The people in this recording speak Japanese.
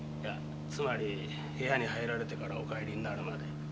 つまり部屋に入られてからお帰りになるまで。